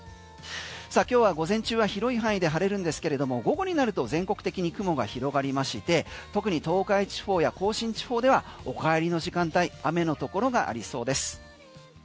さあ今日は午前中は広い範囲で晴れるんですけれども午後になると全国的に雲が広がりまして特に東海地方や甲信地方ではお帰りの時間帯雨のところがありそうです。